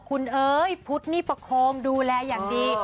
คุณเอ๋ยพุทธนิประโคมดูแลอย่างดี